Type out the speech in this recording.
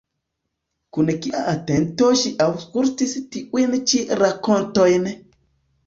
Kun kia atento ŝi aŭskultis tiujn ĉi rakontojn!